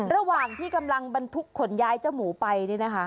ระหว่างที่กำลังบรรทุกขนย้ายเจ้าหมูไป